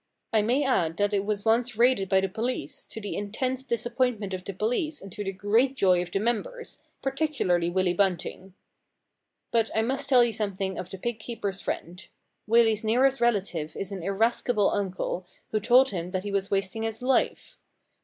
I may add that it was once raided by the police, to the intense disappoint ment of the police and to the great joy of the members, particularly Willy Bunting. 231 The Problem Club * But I must tell you something of The Fig Keepers' Friend. Willy's nearest relative is an irascible uncle, who told him that he was wasting his life.